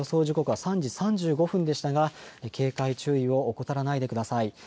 時刻は３時３５分でしたが警戒注意を怠らないでください。